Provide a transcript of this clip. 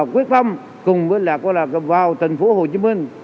quyết phong cùng với vào thành phố hồ chí minh